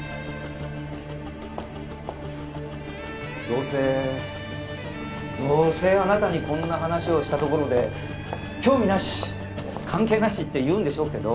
どうせどうせあなたにこんな話をしたところで興味なし関係なしって言うんでしょうけど。